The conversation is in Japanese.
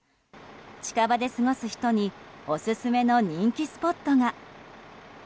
近場で過ごす人にオススメの人気スポットが。